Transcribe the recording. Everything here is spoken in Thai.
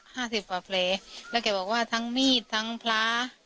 ห้าสิบกว่าเพลย์แล้วแกบอกว่าทั้งมีดทั้งพลา